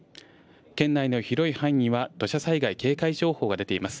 県内の広い範囲には土砂災害警戒情報が出ています。